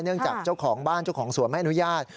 จากเจ้าของบ้านเจ้าของสวนไม่อนุญาต